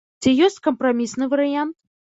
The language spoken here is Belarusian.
Ці ёсць кампрамісны варыянт?